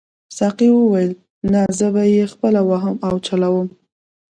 ساقي وویل نه زه به یې خپله وهم او چلاوم.